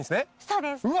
そうです。